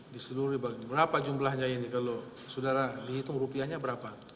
di seluruh s satu berapa jumlahnya ini kalau saudara dihitung rupiahnya berapa